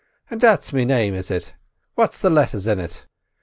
"And that's me name, is it? What's the letters in it?"